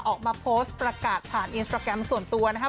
ออกมาโพสต์ประกาศผ่านอินสตราแกรมส่วนตัวนะครับ